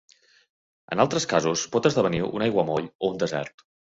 En altres casos, pot esdevenir un aiguamoll o un desert.